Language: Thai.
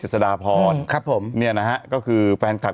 เจ็ดศดาพอนครับผมเนี้ยน่ะฮะก็คือแฟนขัด